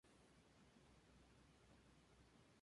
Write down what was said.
Era bastante rico y poseía algunas villas en Italia.